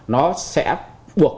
nó sẽ buộc